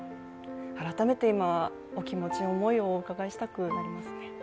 改めて今、お気持ちの思いをお伺いしたいですね。